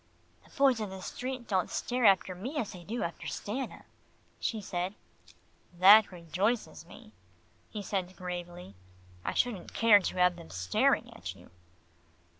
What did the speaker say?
"The boys in the street don't stare after me as they do after Stanna," she said. "That rejoices me," he said gravely. "I shouldn't care to have them staring at you."